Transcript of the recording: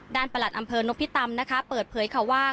ด้านประหลัดอัมเภิร์นพิตำนะคะเปิดเพ๋ยเขาว่า